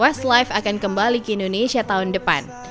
westlife akan kembali ke indonesia tahun depan